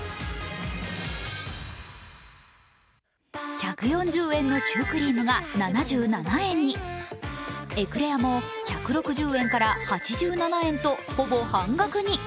１４０円のシュークリームが７７円にエクレアも１６０円から８７円とほぼ半額に。